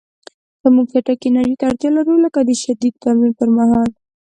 که موږ چټکې انرژۍ ته اړتیا لرو، لکه د شدید تمرین پر مهال